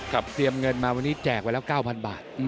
เตรียมเงินมาวันนี้แจกไปแล้ว๙๐๐บาท